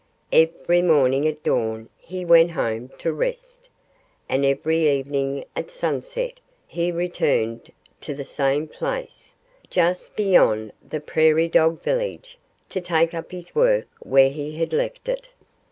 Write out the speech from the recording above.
Every morning at dawn he went home to rest. And every evening at sunset he returned to the same place, just beyond the prairie dog village, to take up his work where he had left it.